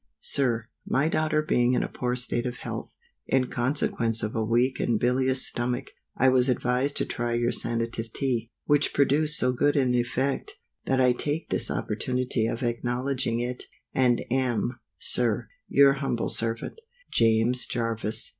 SIR, MY daughter being in a poor state of health, in consequence of a weak and bilious Stomach, I was advised to try your Sanative Tea, which produced so good an effect, that I take this opportunity of acknowledging it, and am, SIR, Your humble Servant, JAMES JARVIS.